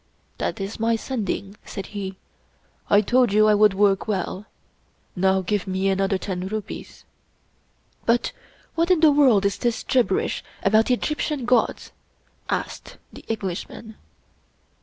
" That is my Sending," said he. " I told you I would work well. Now give me another ten rupees." " But what in the world is this gibberish about Egyptian gods?" asked the Englishman.